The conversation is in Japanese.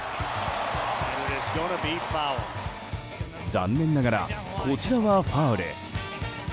残念ながらこちらはファウル。